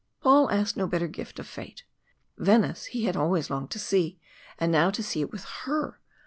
Paul asked no better gift of fate. Venice he had always longed to see, and now to see it with her!